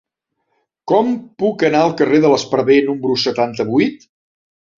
Com puc anar al carrer de l'Esparver número setanta-vuit?